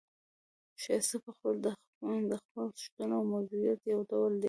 ښایست پخپله د خپل شتون او موجودیت یو دلیل دی.